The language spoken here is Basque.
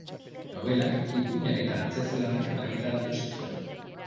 Nobelak, ipuinak eta antzezlanak argitaratu zituen.